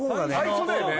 最初だよね